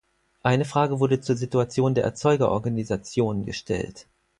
Eine Frage wurde zur Situation der Erzeugerorganisationen gestellt.